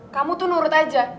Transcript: kamu tuh nurut aja